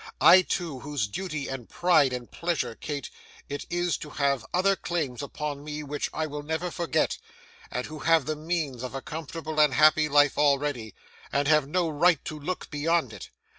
I, too, whose duty, and pride, and pleasure, Kate, it is to have other claims upon me which I will never forget; and who have the means of a comfortable and happy life already, and have no right to look beyond it!